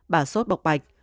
bà sốt bộc bạch